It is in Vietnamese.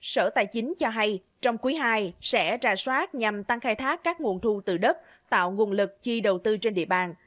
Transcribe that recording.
sở tài chính cho hay trong quý ii sẽ ra soát nhằm tăng khai thác các nguồn thu từ đất tạo nguồn lực chi đầu tư trên địa bàn